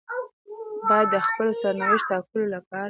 بايد د خپل سرنوشت ټاکلو لپاره.